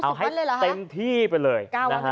เอาให้เต็มที่ไปเลย